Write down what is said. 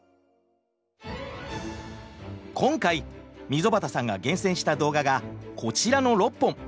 今回溝端さんが厳選した動画がこちらの６本。